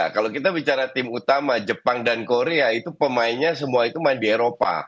kalau kita bicara tim utama jepang dan korea itu pemainnya semua itu main di eropa